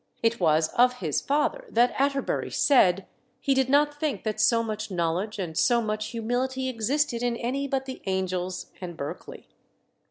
It was of his father that Atterbury said, he did not think that so much knowledge and so much humility existed in any but the angels and Berkeley.